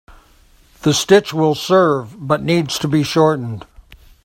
The stitch will serve but needs to be shortened.